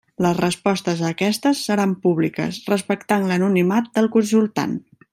Les respostes a aquestes seran públiques, respectant l'anonimat del consultant.